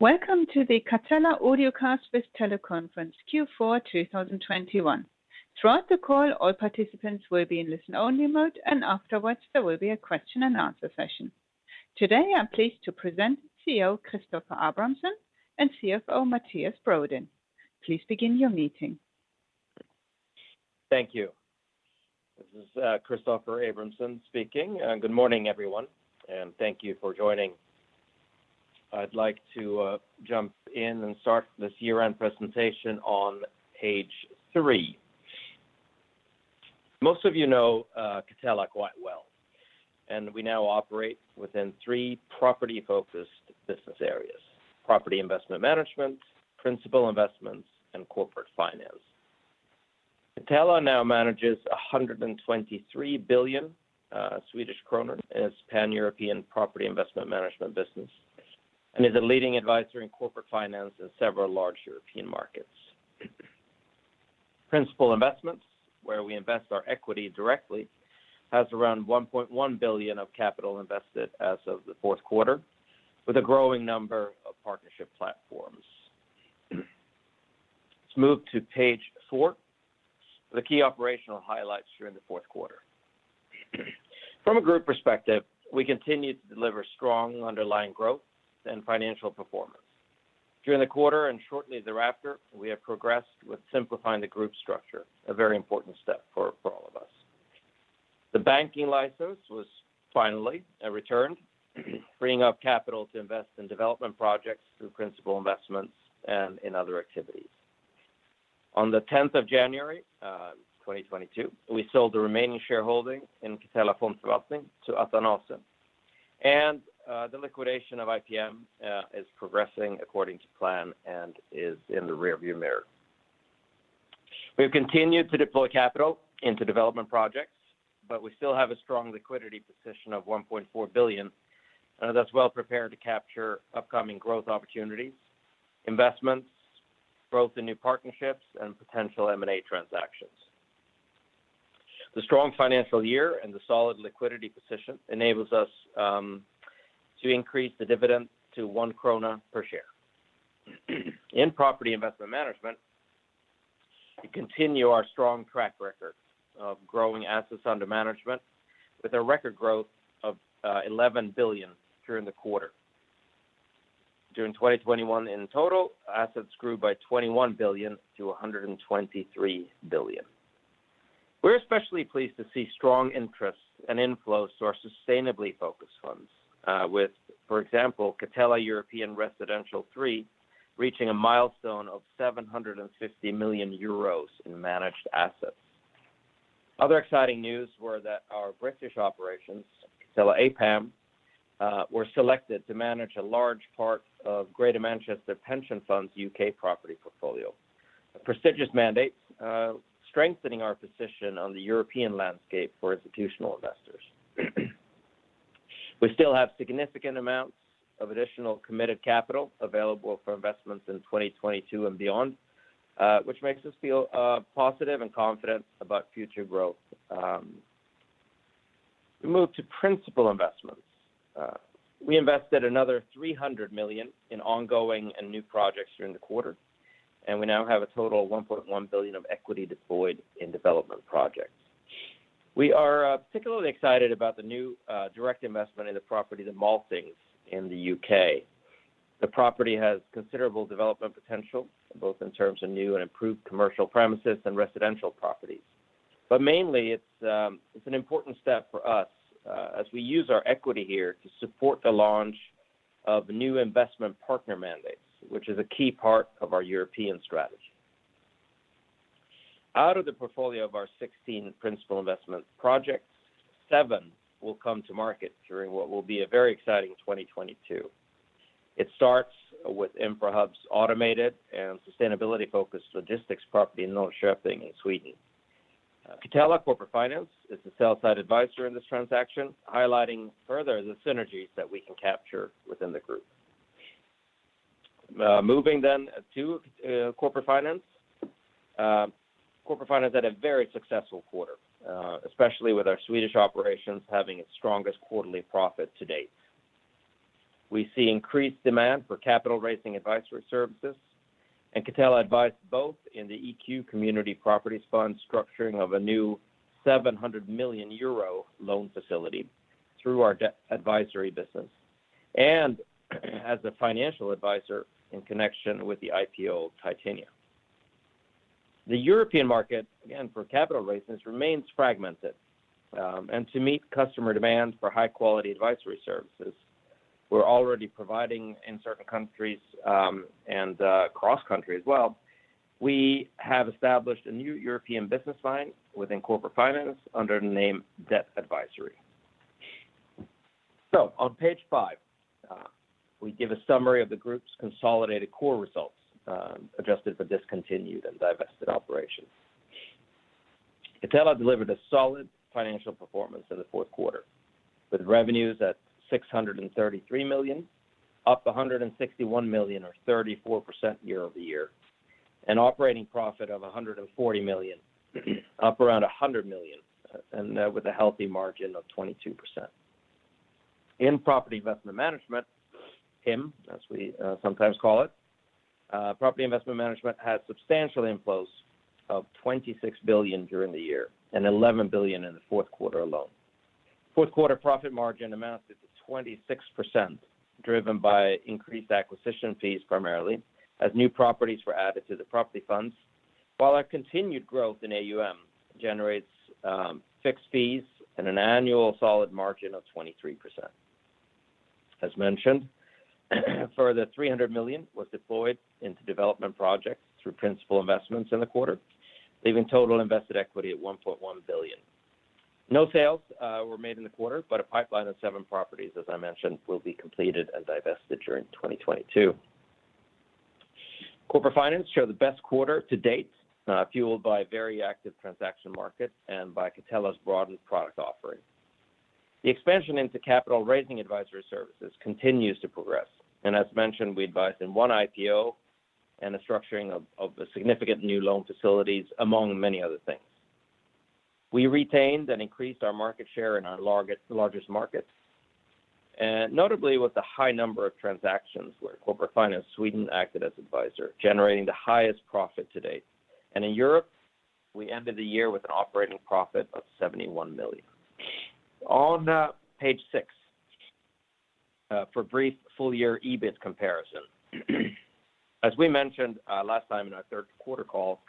Welcome to the Catella Audiocast with Teleconference Q4 2021. Throughout the call, all participants will be in listen-only mode, and afterwards, there will be a question and answer session. Today, I'm pleased to present CEO Christoffer Abramson and CFO Mattias Brodin. Please begin your meeting. Thank you. This is Christoffer Abramson speaking. Good morning, everyone, and thank you for joining. I'd like to jump in and start this year-end presentation on page three. Most of you know Catella quite well, and we now operate within three property-focused business areas: property investment management, principal investments, and corporate finance. Catella now manages SEK 123 billion in its Pan-European property investment management business and is a leading advisor in corporate finance in several large European markets. Principal investments, where we invest our equity directly, has around 1.1 billion of capital invested as of the Q4, with a growing number of partnership platforms. Let's move to page four, the key operational highlights during the Q4. From a group perspective, we continue to deliver strong underlying growth and financial performance. During the quarter and shortly thereafter, we have progressed with simplifying the group structure, a very important step for all of us. The banking license was finally returned, freeing up capital to invest in development projects through principal investments and in other activities. On the tenth of January, 2022, we sold the remaining shareholding in Catella Fondförvaltning to Athanase. The liquidation of IPM is progressing according to plan and is in the rear-view mirror. We've continued to deploy capital into development projects, but we still have a strong liquidity position of 1.4 billion, that's well prepared to capture upcoming growth opportunities, investments, growth in new partnerships, and potential M&A transactions. The strong financial year and the solid liquidity position enables us to increase the dividend to 1 krona per share. In property investment management, we continue our strong track record of growing assets under management with a record growth of 11 billion during the quarter. During 2021 in total, assets grew by 21 billion to 123 billion. We're especially pleased to see strong interest and inflows to our sustainably-focused funds. With, for example Catella European Residential III reaching a milestone of 750 million euros in managed assets. Other exciting news were that our British operations, Catella APAM, were selected to manage a large part of Greater Manchester Pension Fund's U.K. property portfolio. A prestigious mandate strengthening our position on the European landscape for institutional investors. We still have significant amounts of additional committed capital available for investments in 2022 and beyond, which makes us feel positive and confident about future growth. We move to principal investments. We invested another 300 million in ongoing and new projects during the quarter, and we now have a total of 1.1 billion of equity deployed in development projects. We are particularly excited about the new direct investment in the property, The Maltings in the U.K. The property has considerable development potential, both in terms of new and improved commercial premises and residential properties. Mainly, it's an important step for us as we use our equity here to support the launch of new investment partner mandates, which is a key part of our European strategy. Out of the portfolio of our 16 principal investment projects, seven will come to market during what will be a very exciting 2022. It starts with Infrahubs's automated and sustainability-focused logistics property in Norrköping in Sweden. Catella Corporate Finance is the sell-side advisor in this transaction, highlighting further the synergies that we can capture within the group. Moving to corporate finance. Corporate Finance had a very successful quarter, especially with our Swedish operations having its strongest quarterly profit to date. We see increased demand for capital raising advisory services, and Catella advised both in the eQ Community Properties Fund structuring of a new 700 million euro loan facility through our Debt Advisory business, and as a financial advisor in connection with the IPO of Titania. The European market, again, for capital raises remains fragmented, to meet customer demand for high-quality advisory services, we're already providing in certain countries, and cross-country as well, we have established a new European business line within Corporate Finance under the name Debt Advisory. On page five, we give a summary of the group's consolidated core results, adjusted for discontinued and divested operations. Catella delivered a solid financial performance in the Q4, with revenues at 633 million, up 161 million or 34% year-over-year. An operating profit of 140 million, up around 100 million and, with a healthy margin of 22%. In property investment management, PIM, as we sometimes call it, property investment management had substantial inflows of 26 billion during the year and 11 billion in the Q4 alone. Q4 profit margin amounted to 26%, driven by increased acquisition fees primarily as new properties were added to the property funds. While our continued growth in AUM generates fixed fees and an annual solid margin of 23%. As mentioned, further 300 million was deployed into development projects through principal investments in the quarter, leaving total invested equity at 1.1 billion. No sales were made in the quarter, but a pipeline of seven properties, as I mentioned, will be completed and divested during 2022. Corporate Finance showed the best quarter to date, fueled by very active transaction markets and by Catella's broadened product offering. The expansion into capital raising advisory services continues to progress. As mentioned, we advised in 1 IPO and the structuring of a significant new loan facilities, among many other things. We retained and increased our market share in our largest markets, and notably with the high number of transactions where Corporate Finance Sweden acted as advisor, generating the highest profit to date. In Europe, we ended the year with an operating profit of 71 million. On page six, for brief full year EBIT comparison. As we mentioned last time in our Q3 call,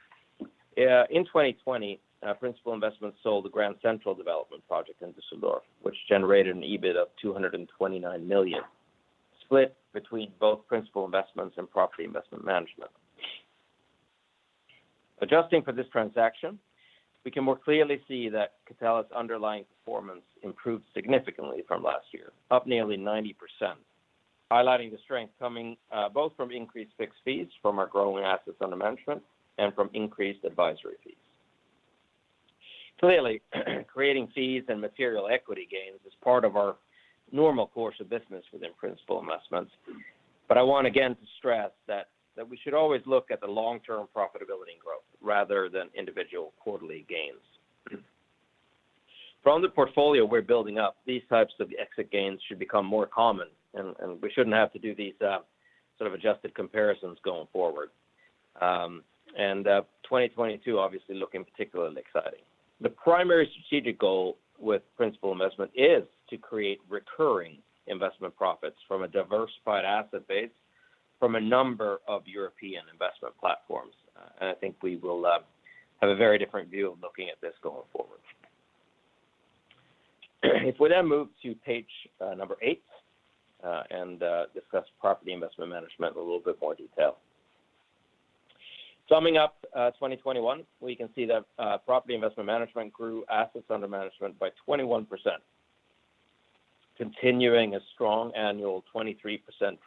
in 2020, Principal Investments sold the Grand Central development project in Düsseldorf, which generated an EBIT of 229 million, split between both Principal Investments and Property Investment Management. Adjusting for this transaction, we can more clearly see that Catella's underlying performance improved significantly from last year, up nearly 90%, highlighting the strength coming both from increased fixed fees from our growing assets under management and from increased advisory fees. Clearly, creating fees and material equity gains is part of our normal course of business within Principal Investments. I want again to stress that we should always look at the long-term profitability and growth rather than individual quarterly gains. From the portfolio we're building up, these types of exit gains should become more common and we shouldn't have to do these sort of adjusted comparisons going forward. 2022 obviously looking particularly exciting. The primary strategic goal with principal investment is to create recurring investment profits from a diversified asset base from a number of European investment platforms. I think we will have a very different view of looking at this going forward. If we then move to page number eight and discuss property investment management in a little bit more detail. Summing up, 2021, we can see that property investment management grew assets under management by 21%, continuing a strong annual 23%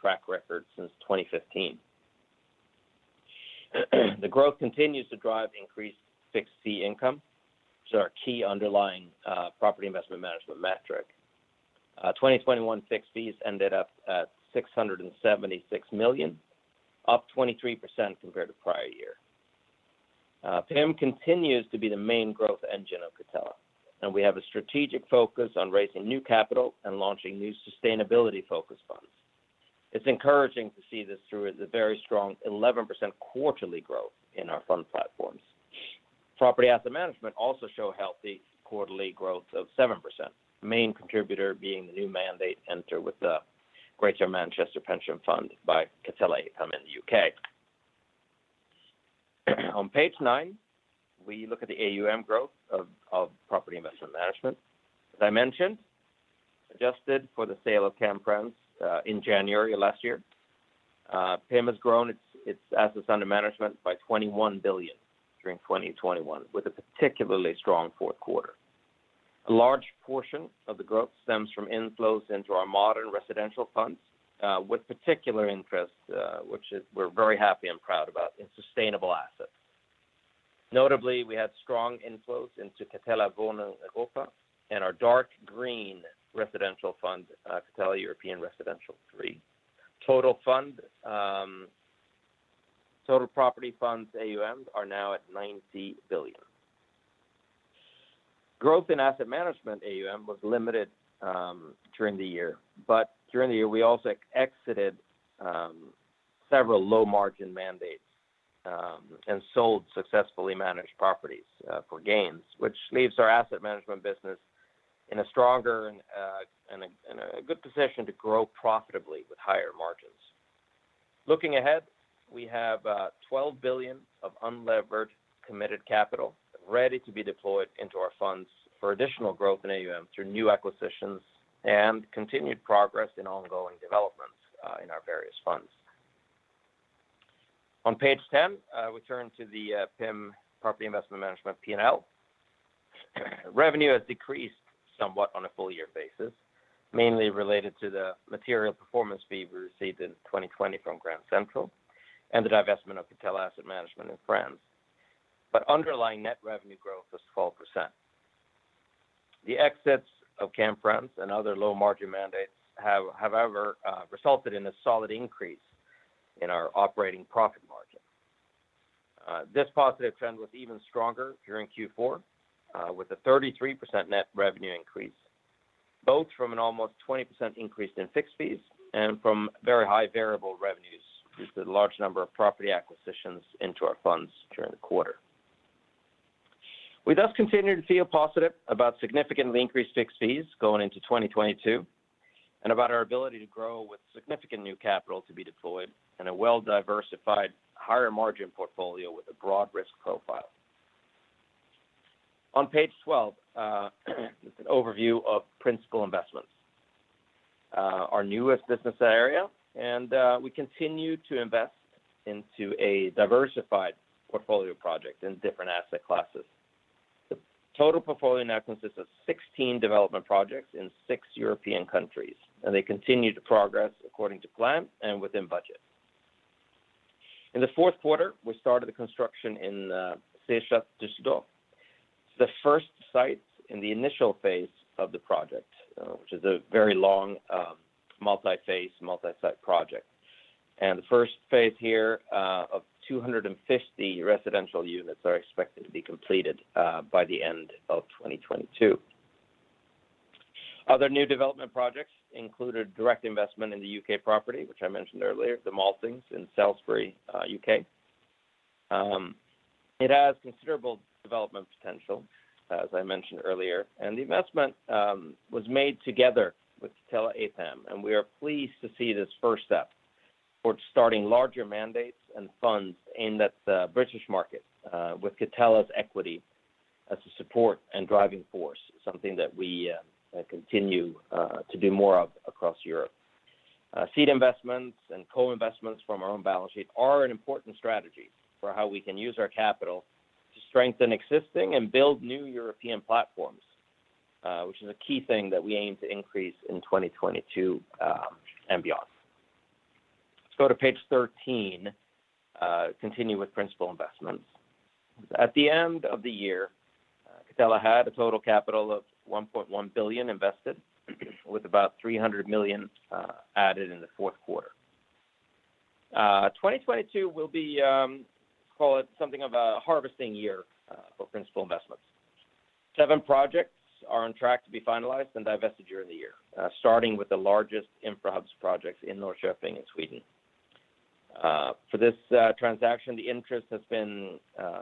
track record since 2015. The growth continues to drive increased fixed fee income, which is our key underlying property investment management metric. 2021 fixed fees ended up at 676 million, up 23% compared to prior year. PIM continues to be the main growth engine of Catella, and we have a strategic focus on raising new capital and launching new sustainability-focused funds. It's encouraging to see this through the very strong 11% quarterly growth in our fund platforms. Property asset management also shows healthy quarterly growth of 7%. The main contributor being the new mandate entered with the Greater Manchester Pension Fund by Catella IM in the U.K. On page nine, we look at the AUM growth of property investment management. As I mentioned, adjusted for the sale of Catella Asset Management in January of last year. IPM has grown its assets under management by 21 billion during 2021, with a particularly strong Q4. A large portion of the growth stems from inflows into our modern residential funds, with particular interest, which is we're very happy and proud about in sustainable assets. Notably, we had strong inflows into Catella Wohnen Europa and our dark green residential fund, Catella European Residential III. Total property funds AUMs are now at 90 billion. Growth in asset management AUM was limited during the year, but during the year, we also exited several low margin mandates and sold successfully managed properties for gains, which leaves our asset management business in a stronger and a good position to grow profitably with higher margins. Looking ahead, we have 12 billion of unlevered committed capital ready to be deployed into our funds for additional growth in AUM through new acquisitions and continued progress in ongoing developments in our various funds. On page 10, we turn to the PIM, property investment management P&L. Revenue has decreased somewhat on a full year basis, mainly related to the material performance fee we received in 2020 from Grand Central and the divestment of Catella Asset Management in France. Underlying net revenue growth was 12%. The exits of Catella Asset Management and other low margin mandates have, however, resulted in a solid increase in our operating profit margin. This positive trend was even stronger during Q4, with a 33% net revenue increase, both from an almost 20% increase in fixed fees and from very high variable revenues with the large number of property acquisitions into our funds during the quarter. We thus continue to feel positive about significantly increased fixed fees going into 2022 and about our ability to grow with significant new capital to be deployed in a well-diversified higher margin portfolio with a broad risk profile. On page 12, an overview of principal investments, our newest business area, and we continue to invest into a diversified portfolio project in different asset classes. The total portfolio now consists of 16 development projects in 6 European countries, and they continue to progress according to plan and within budget. In the Q4, we started the construction in the Setúbal do Sado. It's the first site in the initial phase of the project, which is a very long, multi-phase, multi-site project. The first phase here, of 250 residential units are expected to be completed, by the end of 2022. Other new development projects included direct investment in the U.K. property which I mentioned earlier, the Maltings in Salisbury, U.K. It has considerable development potential, as I mentioned earlier, and the investment was made together with Catella APAM and we are pleased to see this first step towards starting larger mandates and funds aimed at the British market, with Catella's equity as a support and driving force, something that we continue to do more of across Europe. Seed investments and co-investments from our own balance sheet are an important strategy for how we can use our capital to strengthen existing and build new European platforms, which is a key thing that we aim to increase in 2022 and beyond. Let's go to page 13, continue with principal investments. At the end of the year, Catella had a total capital of 1.1 billion invested with about 300 million added in the Q4. 2022 will be, call it something of a harvesting year, for Principal Investments. Seven projects are on track to be finalized and divested during the year, starting with the largest Infrahubs projects in Norrköping in Sweden. For this transaction, the interest has been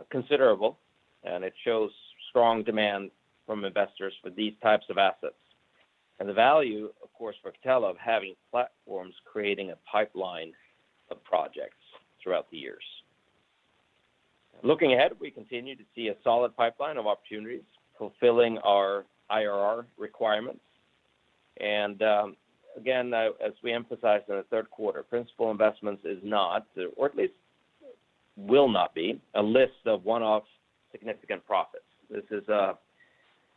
considerable and it shows strong demand from investors for these types of assets and the value, of course, for Catella of having platforms creating a pipeline of projects throughout the years. Looking ahead, we continue to see a solid pipeline of opportunities fulfilling our IRR requirements. Again, as we emphasized in our Q3, Principal Investments is not, or at least will not be, a list of one-off significant profits. This is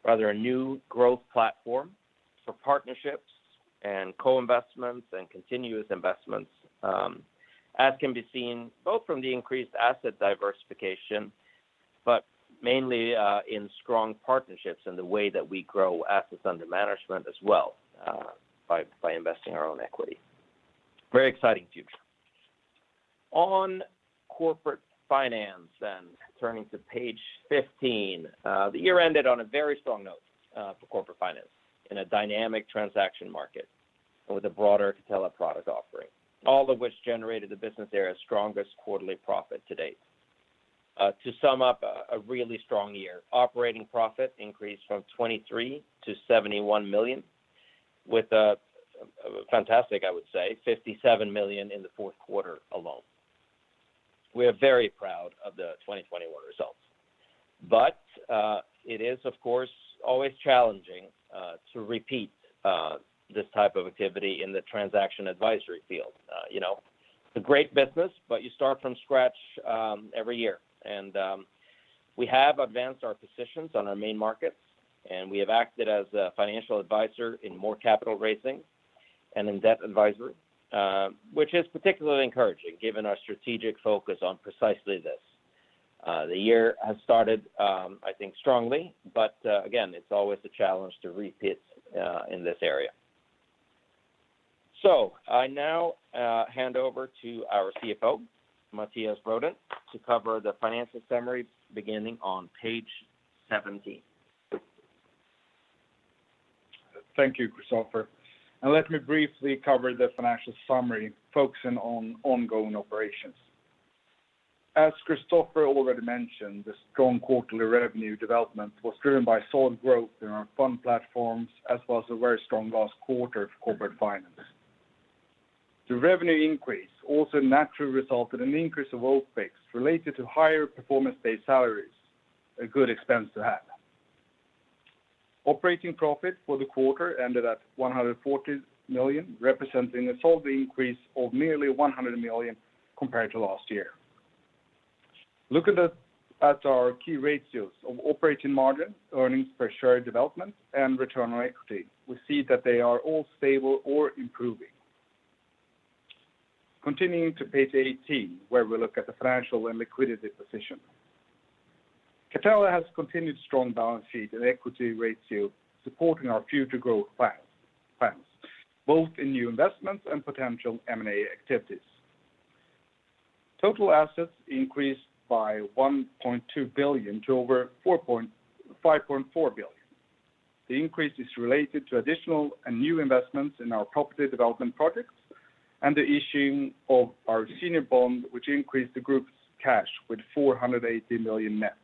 rather a new growth platform for partnerships and co-investments and continuous investments, as can be seen both from the increased asset diversification but mainly in strong partnerships in the way that we grow assets under management as well, by investing our own equity. Very exciting future. On Corporate Finance and turning to page 15, the year ended on a very strong note for Corporate Finance in a dynamic transaction market with a broader Catella product offering, all of which generated the business area's strongest quarterly profit to date. To sum up a really strong year, operating profit increased from 23 million to 71 million with a fantastic, I would say, 57 million in the Q4 alone. We are very proud of the 2021 results. It is of course always challenging to repeat this type of activity in the transaction advisory field. You know, it's a great business, but you start from scratch every year. We have advanced our positions on our main markets, and we have acted as a financial advisor in more capital raising and in debt advisory, which is particularly encouraging given our strategic focus on precisely this. The year has started, I think, strongly, but again, it's always a challenge to repeat in this area. I now hand over to our CFO, Mattias Brodin to cover the financial summary beginning on page 17. Thank you, Christoffer and let me briefly cover the financial summary focusing on ongoing operations. As Christoffer already mentioned, the strong quarterly revenue development was driven by solid growth in our fund platforms as well as a very strong last quarter for corporate finance. The revenue increase also naturally resulted in an increase of OpEx related to higher performance-based salaries, a good expense to have. Operating profit for the quarter ended at 140 million, representing a solid increase of nearly 100 million compared to last year. Looking at our key ratios of operating margin, earnings per share development and return on equity, we see that they are all stable or improving. Continuing to page 18, where we look at the financial and liquidity position. Catella has continued strong balance sheet and equity ratio supporting our future growth plans, both in new investments and potential M&A activities. Total assets increased by 1.2 billion to over 5.4 billion. The increase is related to additional and new investments in our property development projects and the issuing of our senior bond, which increased the group's cash with 480 million net.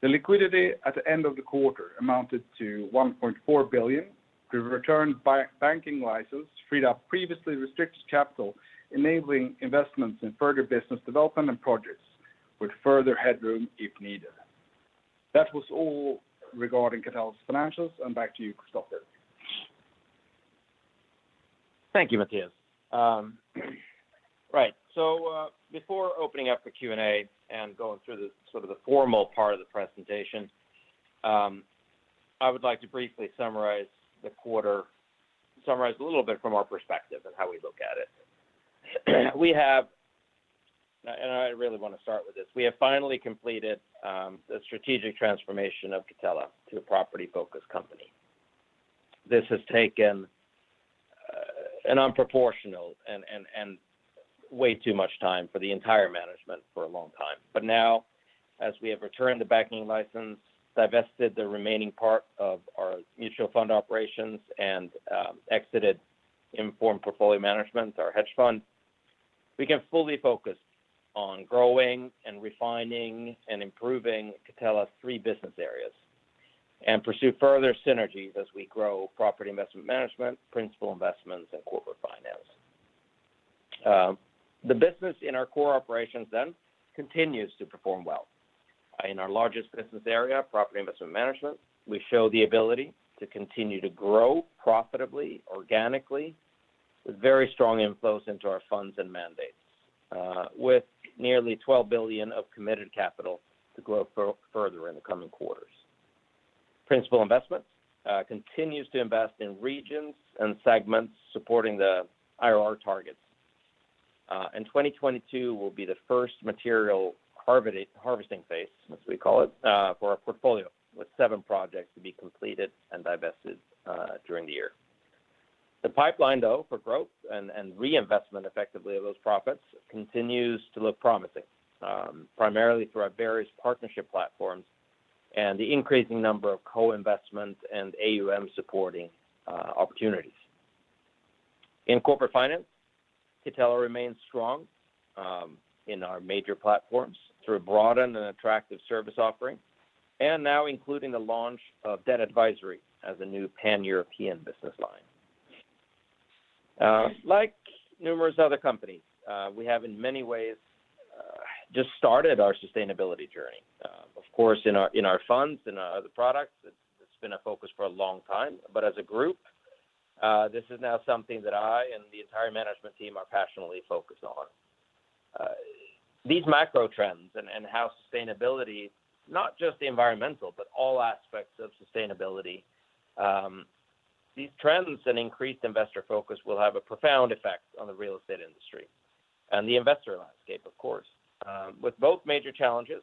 The liquidity at the end of the quarter amounted to 1.4 billion. The return of the banking license freed up previously restricted capital, enabling investments in further business development and projects with further headroom if needed. That was all regarding Catella's financials. Back to you, Christoffer. Thank you, Mattias. Right. Before opening up for Q&A and going through sort of the formal part of the presentation, I would like to briefly summarize the quarter, summarize a little bit from our perspective and how we look at it. We have finally completed the strategic transformation of Catella to a property-focused company. This has taken a disproportionate and way too much time for the entire management for a long time. Now, as we have returned the banking license, divested the remaining part of our mutual fund operations, and exited Informed Portfolio Management, our hedge fund, we can fully focus on growing and refining and improving Catella's three business areas and pursue further synergies as we grow Property Investment Management, Principal Investments, and Corporate Finance. The business in our core operations then continues to perform well. In our largest business area, property investment management, we show the ability to continue to grow profitably, organically, with very strong inflows into our funds and mandates, with nearly 12 billion of committed capital to grow further in the coming quarters. Principal investment continues to invest in regions and segments supporting the IRR targets. 2022 will be the first material harvesting phase, as we call it, for our portfolio, with 7 projects to be completed and divested during the year. The pipeline though for growth and reinvestment effectively of those profits continues to look promising, primarily through our various partnership platforms and the increasing number of co-investments and AUM supporting opportunities. In corporate finance, Catella remains strong in our major platforms through a broadened and attractive service offering, and now including the launch of Debt Advisory as a new Pan-European business line. Like numerous other companies, we have in many ways just started our sustainability journey. Of course, in our funds and our other products, it's been a focus for a long time. As a group, this is now something that I and the entire management team are passionately focused on. These macro trends and how sustainability, not just the environmental, but all aspects of sustainability, these trends and increased investor focus will have a profound effect on the real estate industry and the investor landscape, of course. With both major challenges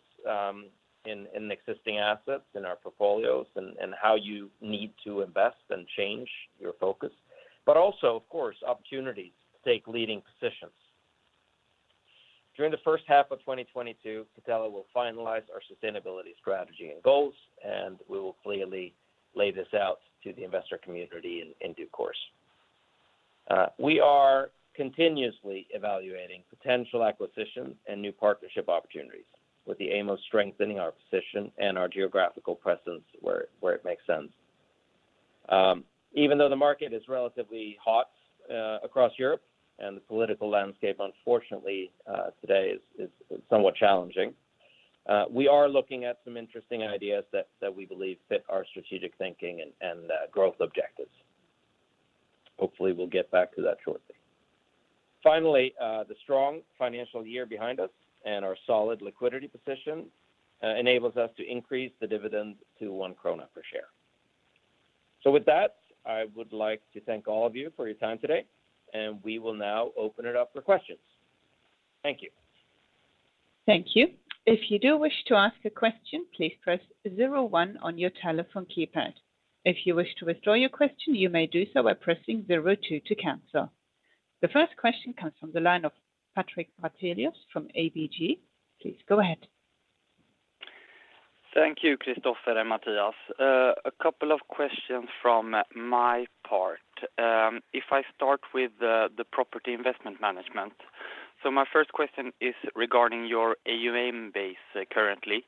in existing assets in our portfolios and how you need to invest and change your focus, but also, of course, opportunities to take leading positions. During the first half of 2022, Catella will finalize our sustainability strategy and goals, and we will clearly lay this out to the investor community in due course. We are continuously evaluating potential acquisitions and new partnership opportunities with the aim of strengthening our position and our geographical presence where it makes sense. Even though the market is relatively hot across Europe and the political landscape, unfortunately, today is somewhat challenging, we are looking at some interesting ideas that we believe fit our strategic thinking and growth objectives. Hopefully, we'll get back to that shortly. Finally, the strong financial year behind us and our solid liquidity position enables us to increase the dividend to 1 krona per share. With that, I would like to thank all of you for your time today, and we will now open it up for questions. Thank you. The first question comes from the line of Patrik Brattelius from ABG. Please go ahead. Thank you, Christoffer and Mattias. A couple of questions from my part. If I start with the property investment management. My first question is regarding your AUM base currently.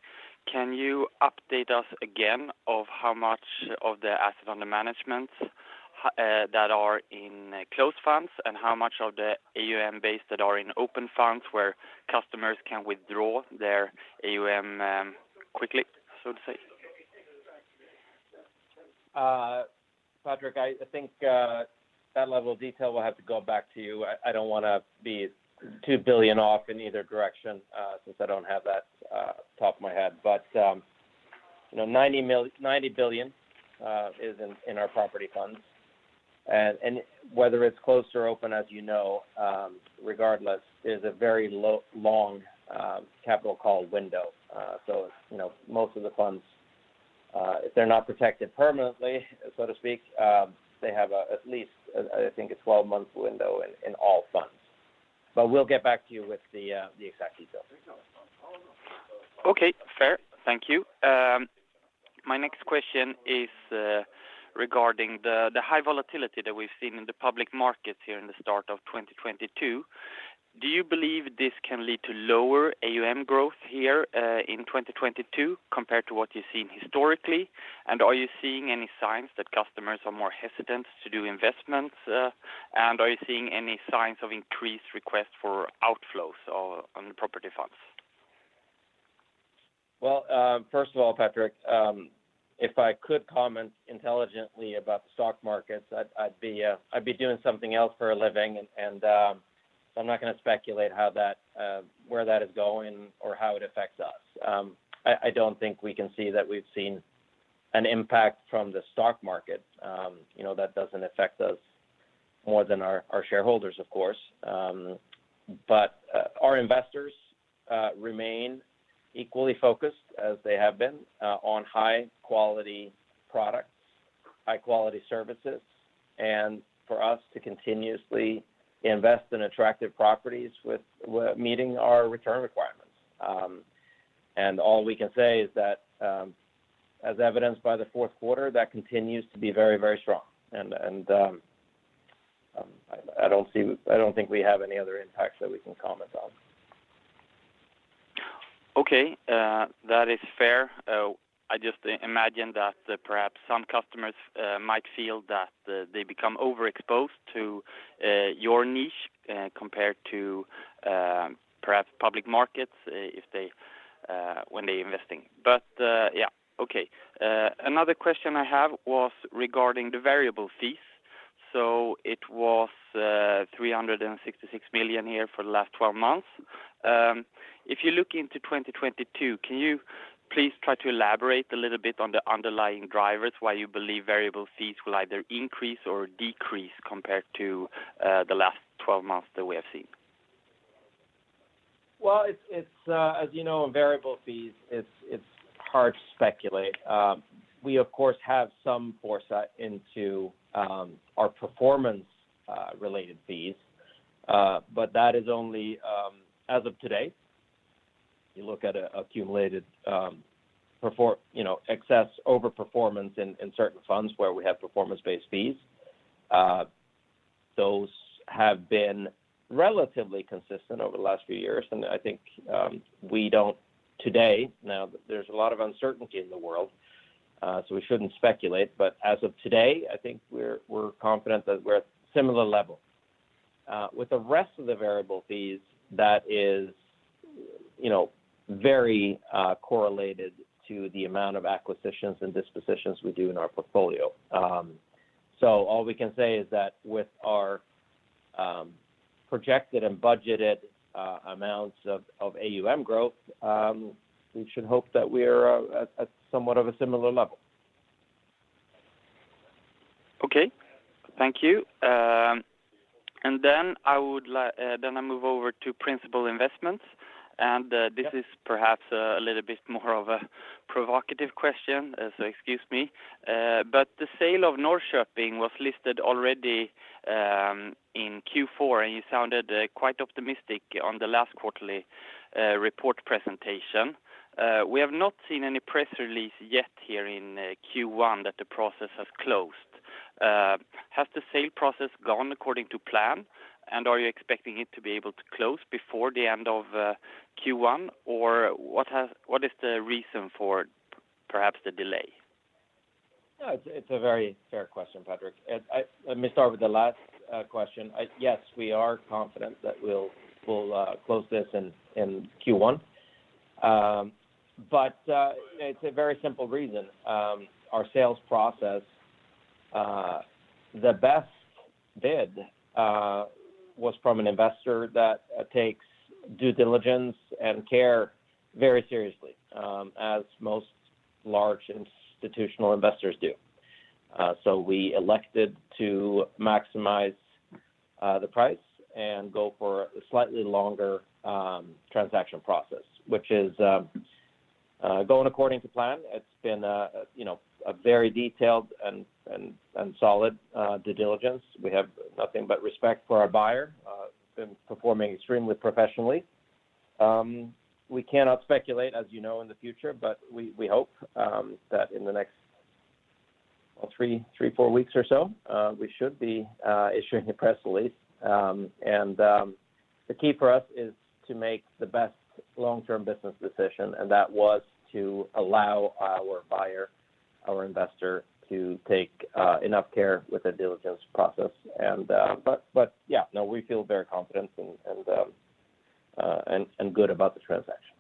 Can you update us again on how much of the assets under management that are in closed funds and how much of the AUM base that are in open funds where customers can withdraw their AUM quickly, so to say? Patrik, I think that level of detail will have to go back to you. I don't wanna be 2 billion off in either direction, since I don't have that top of my head. You know, 90 billion is in our property funds. Whether it's closed or open, as you know, regardless, is a very long capital call window. You know, most of the funds, if they're not protected permanently, so to speak, they have at least, I think, a 12-month window in all funds. We'll get back to you with the exact details. Okay, fair. Thank you. My next question is regarding the high volatility that we've seen in the public markets here in the start of 2022. Do you believe this can lead to lower AUM growth here in 2022 compared to what you've seen historically? Are you seeing any signs that customers are more hesitant to do investments? Are you seeing any signs of increased requests for outflows or on the property funds? Well, first of all, Patrik, if I could comment intelligently about the stock markets, I'd be doing something else for a living. I'm not gonna speculate on where that is going or how it affects us. I don't think we can say that we've seen an impact from the stock market. You know, that doesn't affect us more than our shareholders, of course. Our investors remain equally focused as they have been on high quality products, high quality services, and for us to continuously invest in attractive properties where we're meeting our return requirements. All we can say is that, as evidenced by the Q4, that continues to be very, very strong. I don't think we have any other impacts that we can comment on. Okay, that is fair. I just imagine that perhaps some customers might feel that they become overexposed to your niche compared to perhaps public markets, when they investing. Yeah. Okay. Another question I have was regarding the variable fees. It was 366 million here for the last twelve months. If you look into 2022, can you please try to elaborate a little bit on the underlying drivers why you believe variable fees will either increase or decrease compared to the last twelve months that we have seen? As you know, in variable fees, it's hard to speculate. We of course have some foresight into our performance related fees, but that is only as of today. You look at an accumulated, you know, excess over performance in certain funds where we have performance-based fees. Those have been relatively consistent over the last few years, and I think we don't today. Now, there's a lot of uncertainty in the world, so we shouldn't speculate. As of today, I think we're confident that we're at similar level. With the rest of the variable fees, that is, you know, very correlated to the amount of acquisitions and dispositions we do in our portfolio. All we can say is that with our projected and budgeted amounts of AUM growth, we should hope that we're at somewhat of a similar level. Okay. Thank you. I move over to Principal Investments. Yeah. This is perhaps a little bit more of a provocative question, so excuse me. The sale of Norrköping was listed already in Q4, and you sounded quite optimistic on the last quarterly report presentation. We have not seen any press release yet here in Q1 that the process has closed. Has the sale process gone according to plan? Are you expecting it to be able to close before the end of Q1? Or what is the reason for perhaps the delay? No, it's a very fair question, Patrik. Let me start with the last question. Yes, we are confident that we'll close this in Q1. It's a very simple reason. Our sales process, the best bid was from an investor that takes due diligence and care very seriously, as most large institutional investors do. We elected to maximize the price and go for a slightly longer transaction process, which is going according to plan. It's been, you know, a very detailed and solid due diligence. We have nothing but respect for our buyer. Our buyer has been performing extremely professionally. We cannot speculate, as you know, in the future, but we hope that in the next, well, three or four weeks or so, we should be issuing a press release. The key for us is to make the best long-term business decision, and that was to allow our buyer, our investor to take enough care with the diligence process. Yeah, no, we feel very confident and good about the transaction.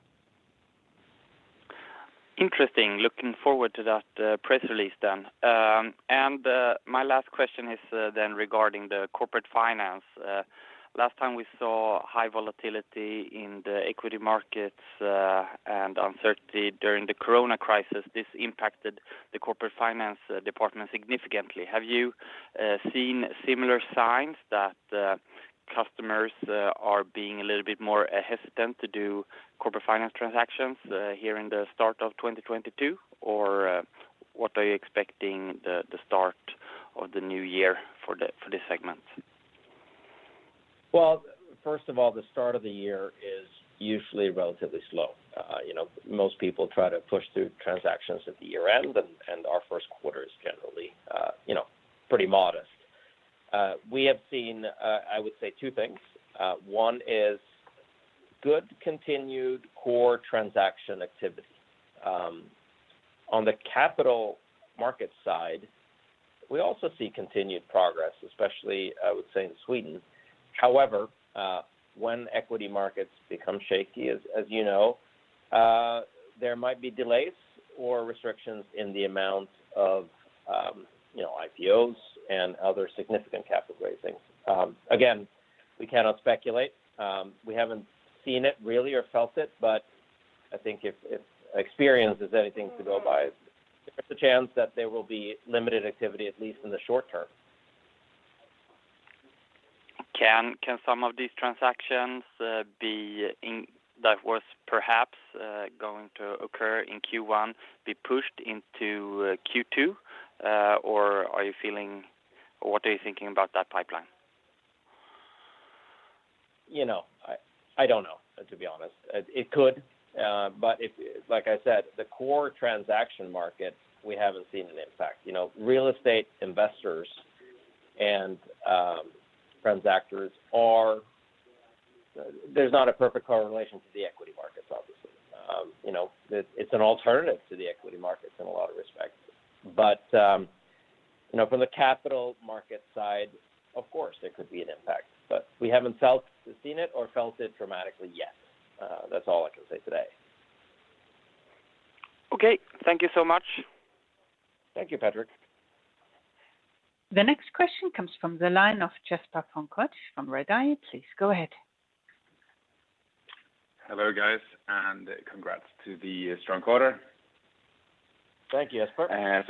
Interesting. Looking forward to that press release then. My last question is then regarding the corporate finance. Last time we saw high volatility in the equity markets and uncertainty during the Corona crisis, this impacted the corporate finance department significantly. Have you seen similar signs that customers are being a little bit more hesitant to do corporate finance transactions here in the start of 2022? Or, what are you expecting the start of the new year for this segment? Well, first of all, the start of the year is usually relatively slow. You know, most people try to push through transactions at the year-end, and our first quarter is generally you know, pretty modest. We have seen I would say two things. One is good continued core transaction activity. On the capital market side, we also see continued progress, especially, I would say in Sweden. However, when equity markets become shaky, as you know, there might be delays or restrictions in the amount of you know, IPOs and other significant capital raisings. Again, we cannot speculate. We haven't seen it really or felt it, but I think if experience is anything to go by, there's a chance that there will be limited activity, at least in the short term. Can some of these transactions that was perhaps going to occur in Q1 be pushed into Q2? Or what are you thinking about that pipeline? You know, I don't know, to be honest. Like I said, the core transaction market, we haven't seen an impact. You know, real estate investors and transactors. There's not a perfect correlation to the equity markets, obviously. You know, it's an alternative to the equity markets in a lot of respects. From the capital market side, of course, there could be an impact. We haven't seen it or felt it dramatically yet. That's all I can say today. Okay. Thank you so much. Thank you, Patrik. The next question comes from the line of Jesper von Koch from Redeye. Please go ahead. Hello, guys, and congrats to the strong quarter. Thank you, Jesper. I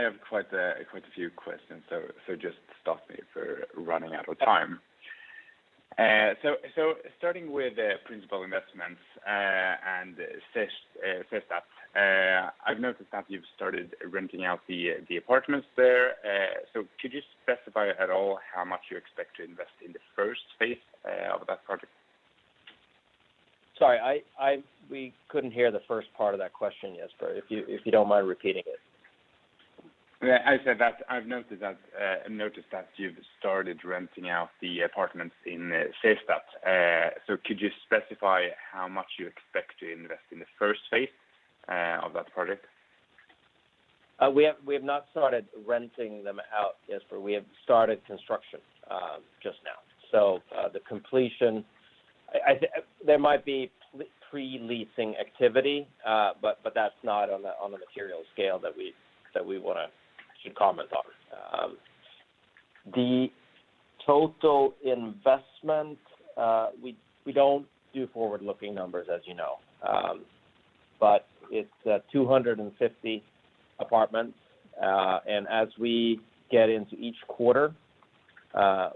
have quite a few questions, so just stop me if we're running out of time. Starting with Principal Investments and Sersta, I've noticed that you've started renting out the apartments there. Could you specify at all how much you expect to invest in the first phase of that project? Sorry, we couldn't hear the first part of that question, Jesper. If you don't mind repeating it. Yeah. I said that I've noticed that you've started renting out the apartments in Sersta. Could you specify how much you expect to invest in the first phase of that project? We have not started renting them out, Jesper. We have started construction just now. I think there might be pre-leasing activity, but that's not on a material scale that we can comment on. The total investment, we don't do forward-looking numbers, as you know. It's 250 apartments. As we get into each quarter,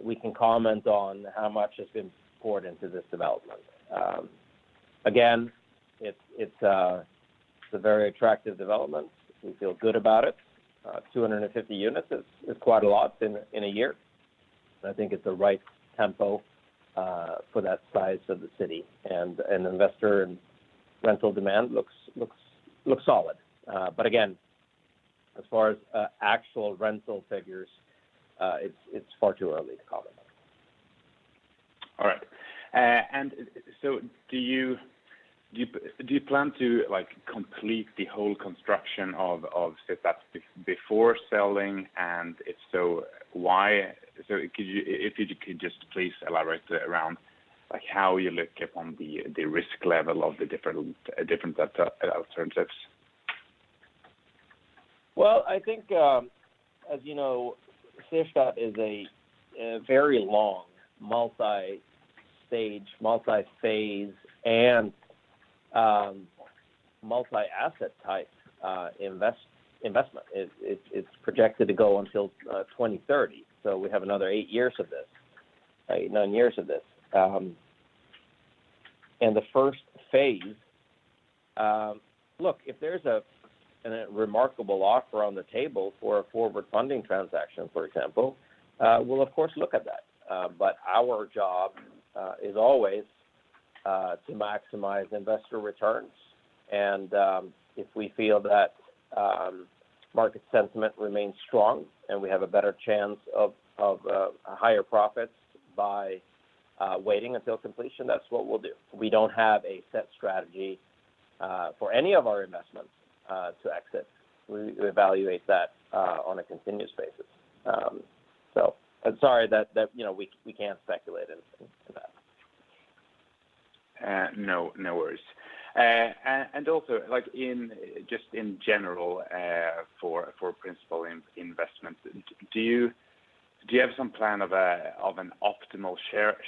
we can comment on how much has been poured into this development. Again, it's a very attractive development. We feel good about it. 250 units is quite a lot in a year. I think it's the right tempo for that size of the city. Investor and rental demand looks solid. Again, as far as actual rental figures, it's far too early to comment. All right. Do you plan to, like, complete the whole construction of Sersta before selling? If so, why? If you could just please elaborate around, like, how you look upon the risk level of the different Sersta alternatives. Well, I think, as you know, Sersta is a very long multi-stage, multi-phase, and multi-asset type investment. It's projected to go until 2030. We have another eight or nine years of this. The first phase. Look, if there's a remarkable offer on the table for a forward funding transaction, for example, we'll of course look at that. Our job is always to maximize investor returns. If we feel that market sentiment remains strong and we have a better chance of higher profits by waiting until completion, that's what we'll do. We don't have a set strategy for any of our investments to exit. We evaluate that on a continuous basis. Sorry that, you know, we can't speculate as to that. No worries. Also, like, in just in general, for Principal Investments, do you have some plan of an optimal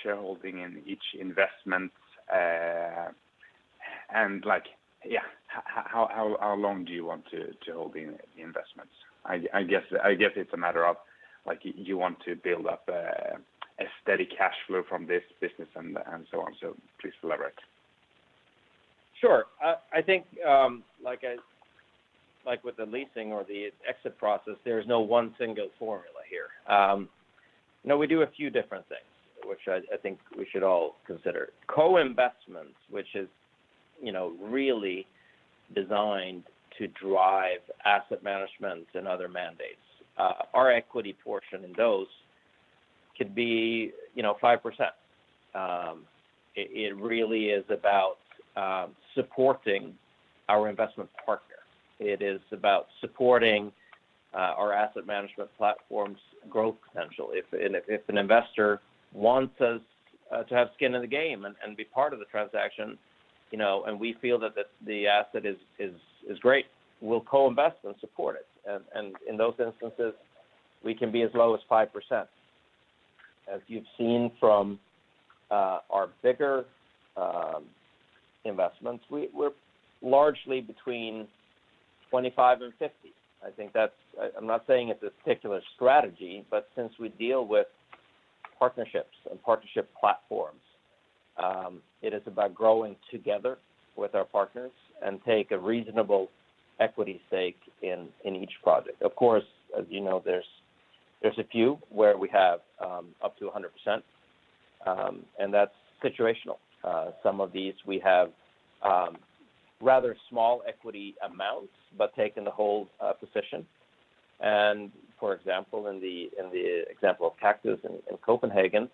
shareholding in each investment? Like, yeah, how long do you want to hold the investments? I guess it's a matter of like, you want to build up a steady cash flow from this business and so on. Please elaborate. Sure. I think, like with the leasing or the exit process, there's no one single formula here. You know, we do a few different things, which I think we should all consider. Co-investments, which is, you know, really designed to drive asset management and other mandates. Our equity portion in those could be, you know, 5%. It really is about supporting our investment partner. It is about supporting our asset management platform's growth potential. If an investor wants us to have skin in the game and be part of the transaction, you know, and we feel that the asset is great, we'll co-invest and support it. In those instances, we can be as low as 5%. As you've seen from our bigger investments, we're largely between 25 and 50. I think that's. I'm not saying it's a particular strategy, but since we deal with partnerships and partnership platforms, it is about growing together with our partners and take a reasonable equity stake in each project. Of course, as you know, there's a few where we have up to 100%, and that's situational. Some of these we have rather small equity amounts, but taking the whole position. For example, in the example of Kaktus in Copenhagen,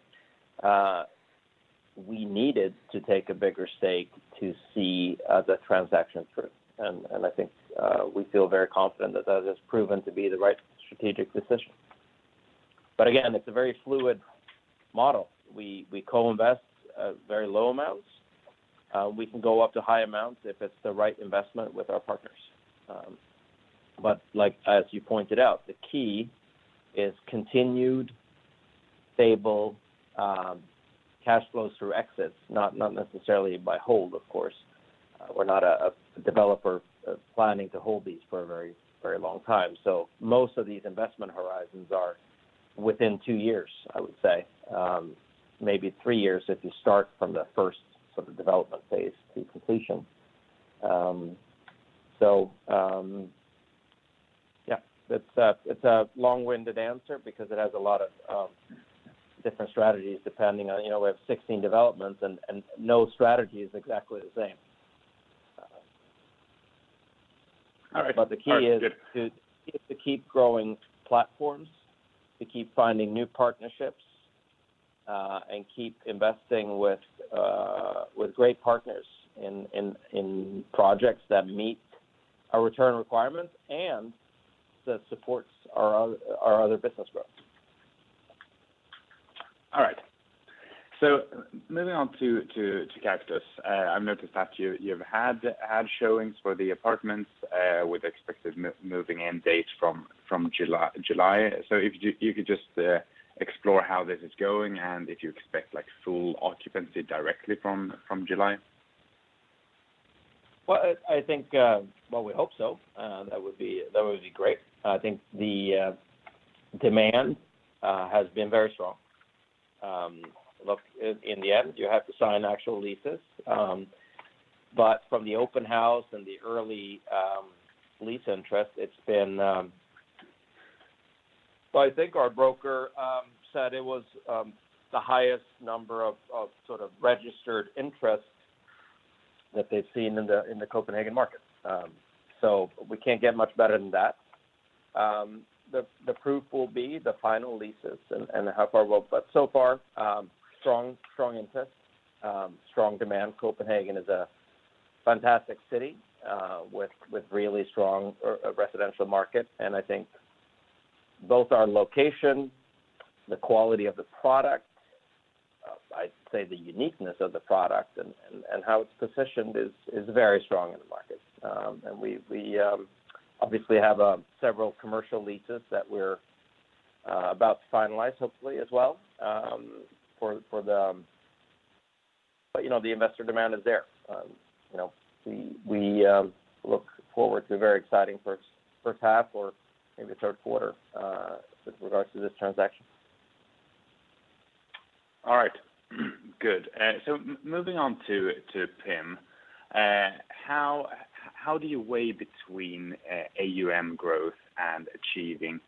we needed to take a bigger stake to see the transaction through. I think we feel very confident that has proven to be the right strategic decision. Again, it's a very fluid model. We co-invest at very low amounts. We can go up to high amounts if it's the right investment with our partners. Like, as you pointed out, the key is continued stable cash flows through exits, not necessarily by holding, of course. We're not a developer planning to hold these for a very long time. Most of these investment horizons are within two years, I would say, maybe three years if you start from the first sort of development phase to completion. It's a long-winded answer because it has a lot of different strategies depending on, you know, we have 16 developments and no strategy is exactly the same. All right. The key is. All right, good. is to keep growing platforms, to keep finding new partnerships, and keep investing with great partners in projects that meet our return requirements and that supports our other business growth. All right. Moving on to Kaktus. I've noticed that you've had showings for the apartments with expected moving in date from July. If you could just explore how this is going and if you expect like full occupancy directly from July. Well, I think we hope so. That would be great. I think the demand has been very strong. Look, in the end, you have to sign actual leases. From the open house and the early lease interest. Well, I think our broker said it was the highest number of sort of registered interest that they've seen in the Copenhagen market. We can't get much better than that. The proof will be the final leases and how far we'll. So far, strong interest, strong demand. Copenhagen is a fantastic city with really strong residential market. I think both our location, the quality of the product, I'd say the uniqueness of the product and how it's positioned is very strong in the market. We obviously have several commercial leases that we're about to finalize, hopefully as well. You know, the investor demand is there. You know, we look forward to a very exciting first half or maybe Q3 with regards to this transaction. All right. Good. Moving on to PIM. How do you weigh between AUM growth and achieving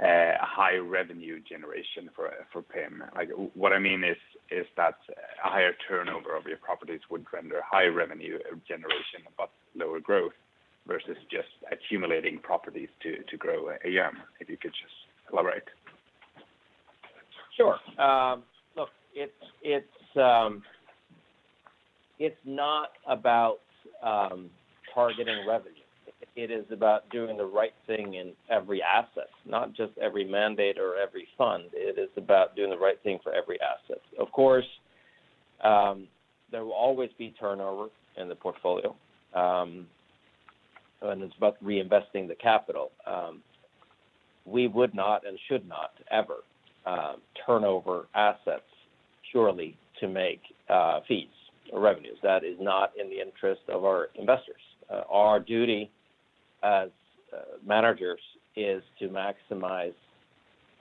a high revenue generation for PIM? Like, what I mean is that a higher turnover of your properties would render higher revenue generation but lower growth versus just accumulating properties to grow AUM. If you could just elaborate. Sure. Look, it's not about targeting revenue. It is about doing the right thing in every asset, not just every mandate or every fund. It is about doing the right thing for every asset. Of course, there will always be turnover in the portfolio, and it's about reinvesting the capital. We would not and should not ever turn over assets purely to make fees or revenues. That is not in the interest of our investors. Our duty as managers is to maximize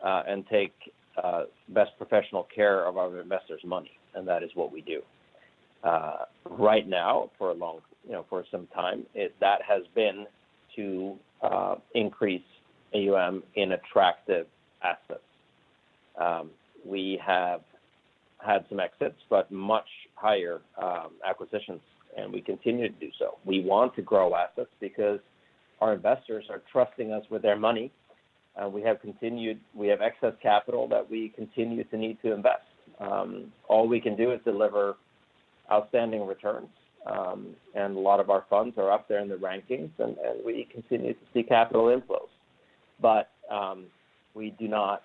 and take best professional care of our investors' money, and that is what we do. Right now, you know, for some time, that has been to increase AUM in attractive assets. We have had some exits, but much higher acquisitions, and we continue to do so. We want to grow assets because our investors are trusting us with their money. We have excess capital that we continue to need to invest. All we can do is deliver outstanding returns, and a lot of our funds are up there in the rankings and we continue to see capital inflows. We do not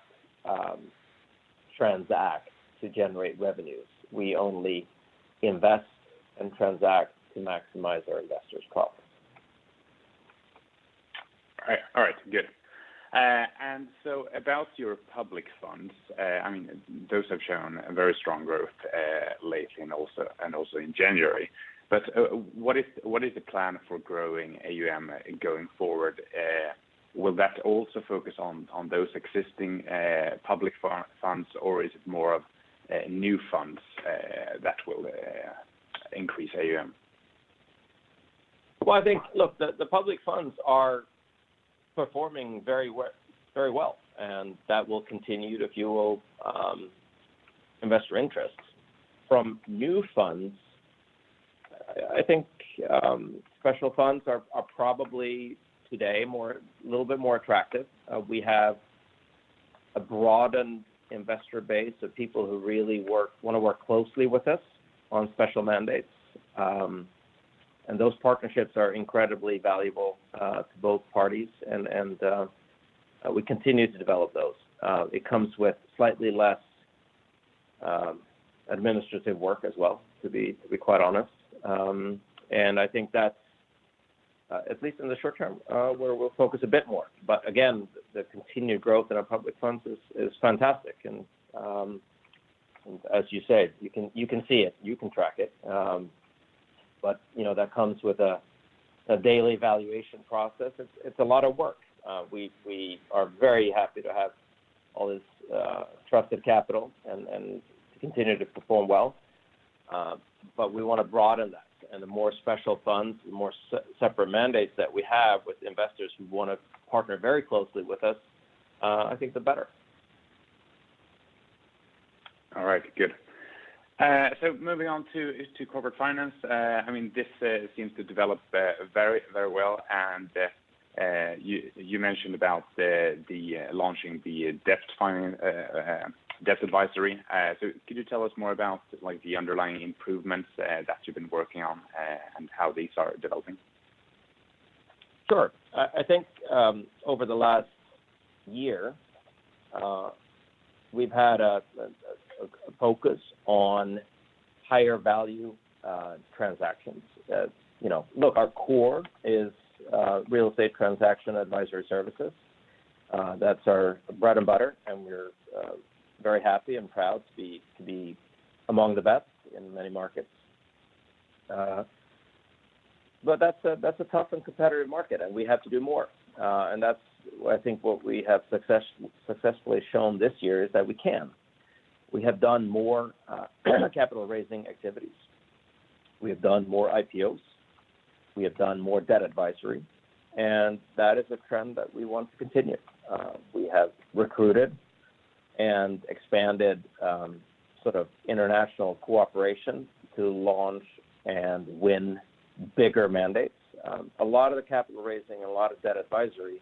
transact to generate revenues. We only invest and transact to maximize our investors' profits. All right. Good. About your public funds, I mean, those have shown a very strong growth lately and also in January. What is the plan for growing AUM going forward? Will that also focus on those existing public funds, or is it more of new funds that will increase AUM? I think, look, the public funds are performing very well, and that will continue to fuel investor interest. From new funds, I think special funds are probably today a little bit more attractive. We have a broadened investor base of people who really want to work closely with us on special mandates. And those partnerships are incredibly valuable to both parties and we continue to develop those. It comes with slightly less administrative work as well, to be quite honest. And I think that's at least in the short term where we'll focus a bit more. Again, the continued growth in our public funds is fantastic and as you said, you can see it, you can track it. You know, that comes with a daily valuation process. It's a lot of work. We are very happy to have all this trusted capital and to continue to perform well. We wanna broaden that. The more special funds, the more separate mandates that we have with investors who wanna partner very closely with us, I think the better. All right. Good. Moving on to Corporate Finance. I mean, this seems to develop very, very well and you mentioned about the launching the Debt Advisory. Could you tell us more about like the underlying improvements that you've been working on and how these are developing? Sure. I think over the last year we've had a focus on higher value transactions. As you know, our core is real estate transaction advisory services. That's our bread and butter, and we're very happy and proud to be among the best in many markets. That's a tough and competitive market and we have to do more. That's, I think, what we have successfully shown this year is that we can. We have done more capital raising activities. We have done more IPOs. We have done more Debt Advisory, and that is a trend that we want to continue. We have recruited and expanded sort of international cooperation to launch and win bigger mandates. A lot of the capital raising and a lot of Debt Advisory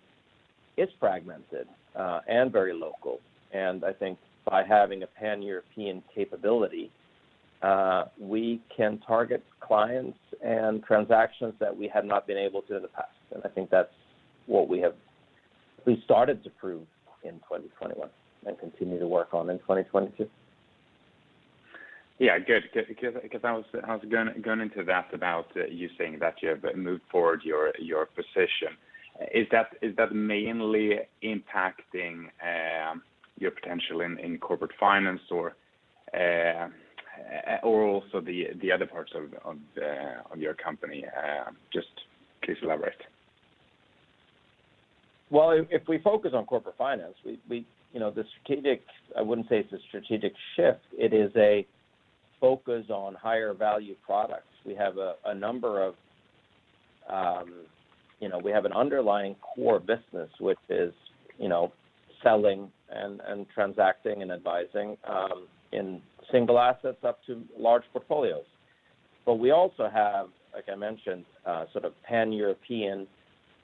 is fragmented, and very local. I think by having a Pan-European capability, we can target clients and transactions that we have not been able to in the past. I think that's what we have at least started to prove in 2021 and continue to work on in 2022. Yeah. Good. Because I was going into that about you saying that you have moved forward your position. Is that mainly impacting your potential in corporate finance or also the other parts of your company? Just please elaborate. Well, if we focus on Corporate Finance, you know, I wouldn't say it's a strategic shift. It is a focus on higher value products. We have a number of, you know, we have an underlying core business which is, you know, selling and transacting and advising in single assets up to large portfolios. We also have, like I mentioned, sort of Pan-European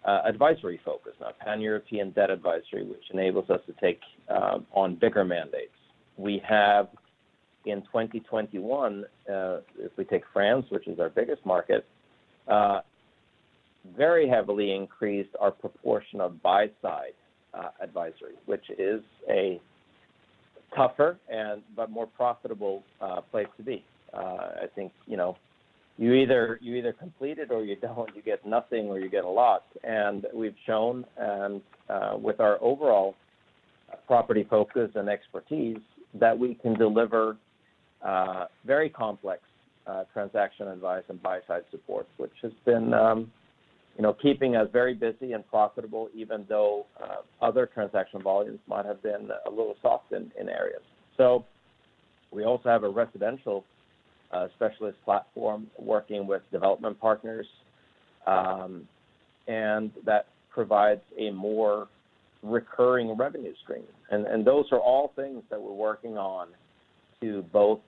advisory focus, our Pan-European Debt Advisory, which enables us to take on bigger mandates. We have in 2021, if we take France, which is our biggest market, very heavily increased our proportion of buy-side advisory, which is a tougher but more profitable place to be. I think, you know, you either complete it or you don't, you get nothing or you get a lot. We've shown with our overall property focus and expertise that we can deliver very complex transaction advice and buy-side support, which has been, you know, keeping us very busy and profitable, even though other transaction volumes might have been a little soft in areas. So we also have a residential specialist platform working with development partners, and that provides a more recurring revenue stream. Those are all things that we're working on to both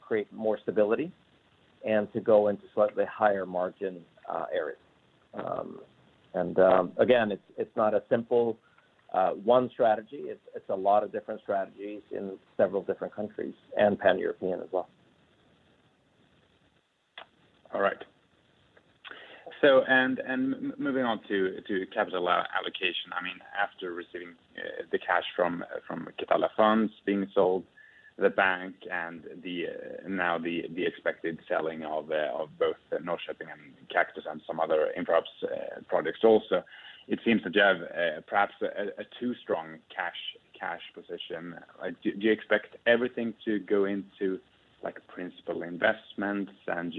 create more stability and to go into slightly higher margin areas. Again, it's not a simple one strategy. It's a lot of different strategies in several different countries and Pan-European as well. All right. Moving on to capital allocation. I mean, after receiving the cash from Catella funds being sold, the bank and now the expected selling of both Norrköping and Kaktus and some other Infrahubs projects also, it seems that you have perhaps a too strong cash position. Do you expect everything to go into, like, principal investments?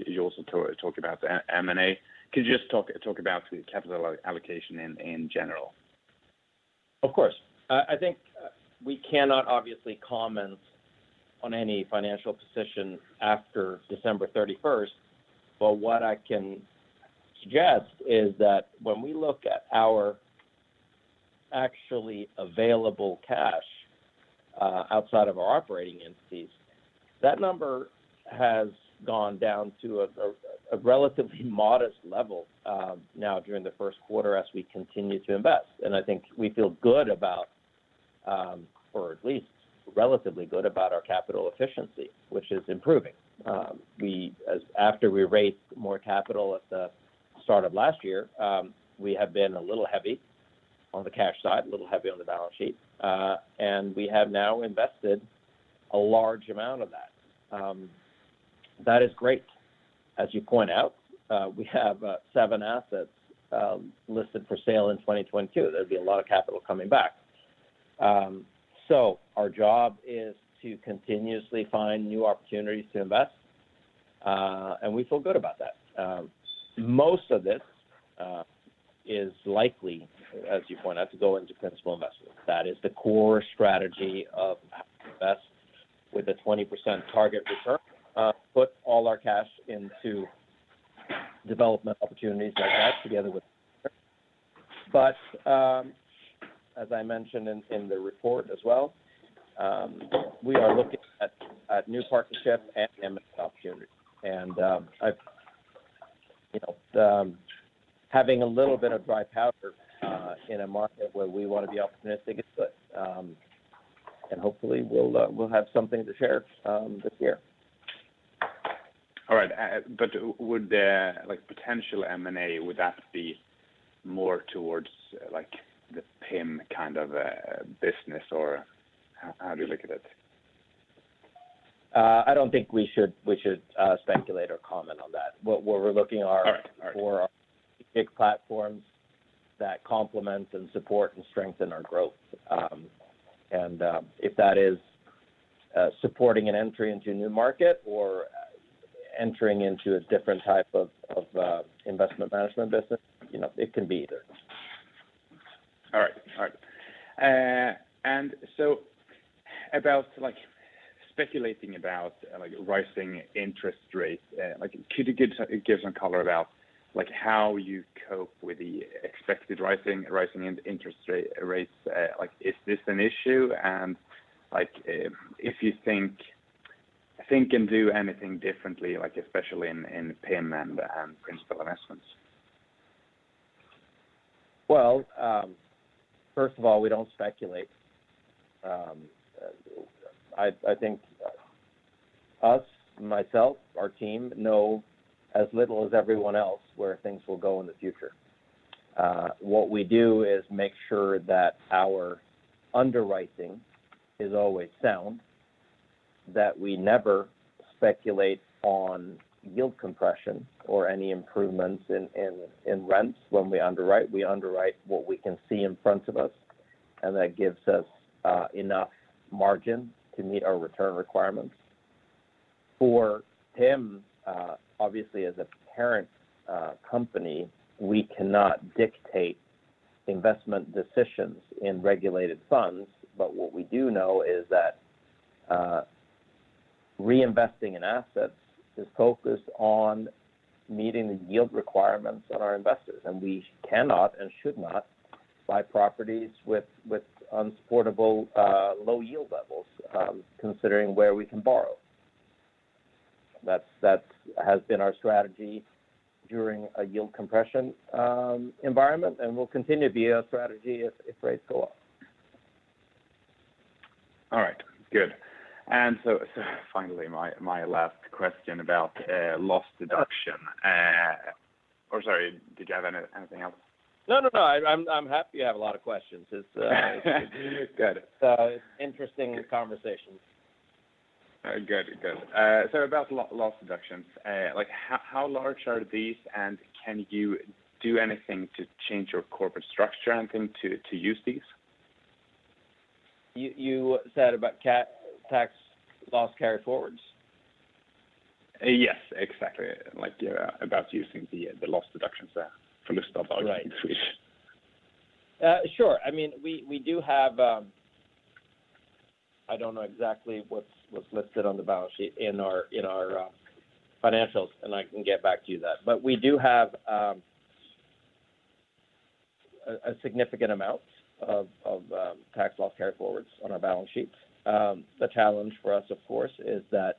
You also talked about M&A. Could you just talk about the capital allocation in general? Of course. I think we cannot obviously comment on any financial position after December 31. What I can suggest is that when we look at our actually available cash outside of our operating entities, that number has gone down to a relatively modest level now during the first quarter as we continue to invest. I think we feel good about or at least relatively good about our capital efficiency, which is improving. After we raised more capital at the start of last year, we have been a little heavy on the cash side, a little heavy on the balance sheet. We have now invested a large amount of that. That is great. As you point out, we have 7 assets listed for sale in 2022. There'd be a lot of capital coming back. Our job is to continuously find new opportunities to invest, and we feel good about that. Most of this is likely, as you point out, to go into principal investments. That is the core strategy of how to invest with a 20% target return, put all our cash into development opportunities like that. As I mentioned in the report as well, we are looking at new partnerships and M&A opportunities. You know, having a little bit of dry powder in a market where we want to be optimistic is good. Hopefully we'll have something to share this year. All right. Would the, like, potential M&A, would that be more towards, like, the PIM kind of business, or how do you look at it? I don't think we should speculate or comment on that. What we're looking are- All right. All right For our big platforms that complement and support and strengthen our growth. If that is supporting an entry into a new market or entering into a different type of investment management business, you know, it can be either. All right. About, like, speculating about, like, rising interest rates, like, could you give some color about, like, how you cope with the expected rising interest rates? Like, is this an issue? Like, if you think and do anything differently, like especially in PIM and Principal Investments. Well, first of all, we don't speculate. I think us, myself, our team know as little as everyone else where things will go in the future. What we do is make sure that our underwriting is always sound, that we never speculate on yield compression or any improvements in rents when we underwrite. We underwrite what we can see in front of us, and that gives us enough margin to meet our return requirements. For PIM, obviously as a parent company, we cannot dictate investment decisions in regulated funds. What we do know is that reinvesting in assets is focused on meeting the yield requirements on our investors. We cannot and should not buy properties with unsupportable low yield levels, considering where we can borrow. That has been our strategy during a yield compression environment, and will continue to be our strategy if rates go up. All right. Good. Finally, my last question about loss deduction. Sorry, did you have anything else? No, no, I'm happy you have a lot of questions. It's Good It's interesting conversations. About loss deductions, like how large are these, and can you do anything to change your corporate structure or anything to use these? You said about tax loss carryforwards? Yes, exactly. Like, about using the loss deductions there for underskottsavdrag. Right in Swedish. Sure. I mean, we do have. I don't know exactly what's listed on the balance sheet in our financials, and I can get back to you on that. We do have a significant amount of tax loss carryforwards on our balance sheets. The challenge for us, of course, is that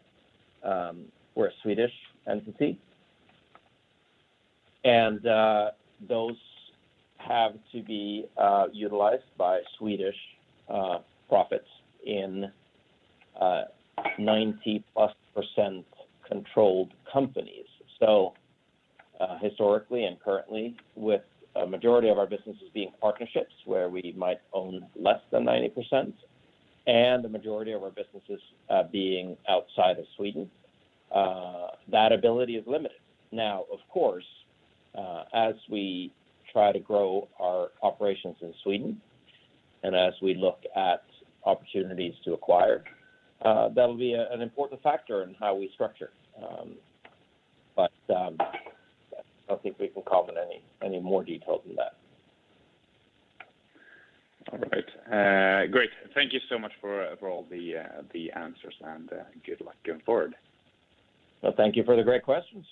we're a Swedish entity, and those have to be utilized by Swedish profits in 90+% controlled companies. Historically and currently, with a majority of our businesses being partnerships where we might own less than 90%, and the majority of our businesses being outside of Sweden, that ability is limited. Now, of course, as we try to grow our operations in Sweden, and as we look at opportunities to acquire, that'll be an important factor in how we structure. I don't think we can comment any more detail than that. All right. Great. Thank you so much for all the answers, and good luck going forward. Well, thank you for the great questions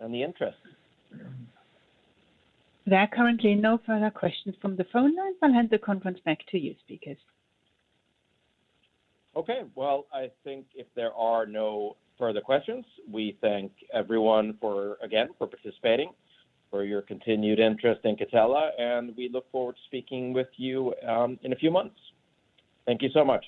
and the interest. There are currently no further questions from the phone lines. I'll hand the conference back to you speakers. Okay. Well, I think if there are no further questions, we thank everyone for, again, for participating, for your continued interest in Catella, and we look forward to speaking with you in a few months. Thank you so much.